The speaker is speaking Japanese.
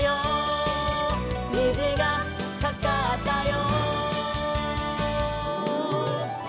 「にじがかかったよ」